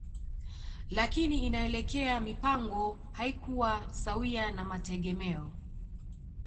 Lakini inaelekea mipango haikuwa sawia na mategemeo